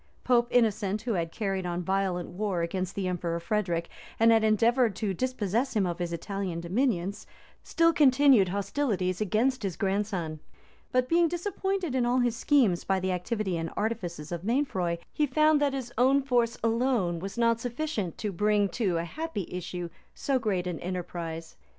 Pope Innocent, who had carried on violent war against the emperor Frederic, and had endeavored to dispossess him of his Italian dominions, still continued hostilities against his grandson; but being disappointed in all his schemes by the activity and artifices of Mainfroy, he found that his own force alone was not sufficient to bring to a happy issue so great an enterprise.